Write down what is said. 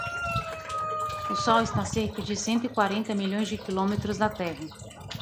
O Sol está a cerca de cento e quarenta milhões de quilómetros da Terra.